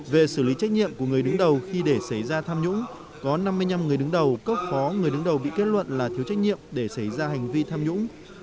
về xử lý trách nhiệm của người đứng đầu khi để xảy ra tham nhũng có năm mươi năm người đứng đầu cấp phó người đứng đầu bị kết luận là thiếu trách nhiệm để xảy ra hành vi tham nhũng